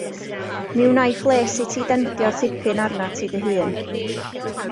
Mi wnaiff les i ti dendio tipyn arnat ti dy hun.